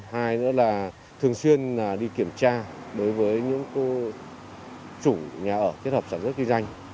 hai nữa là thường xuyên đi kiểm tra đối với những chủ nhà ở kết hợp sản xuất kinh doanh